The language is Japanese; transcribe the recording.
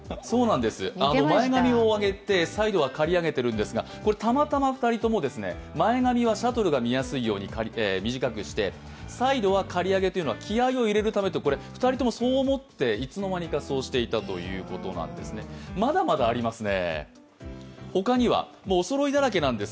前髪を上げてサイドは借り上げてるんですがたまたま２人とも前髪はシャトルが見やすいように短くして再度は刈り上げというのは気合いを入れるためと２人ともそう思っていつの間にかそうしていたということなんですねまだまだありますね。